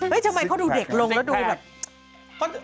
ทำไมเขาดูเด็กลงแล้วดูแบบ